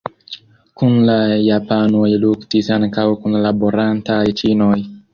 Kun la japanoj luktis ankaŭ kunlaborantaj ĉinoj.